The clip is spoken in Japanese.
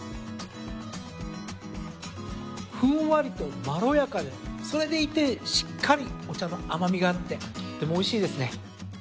ふんわりとまろやかでそれでいてしっかりお茶の甘味があってとってもおいしいですね。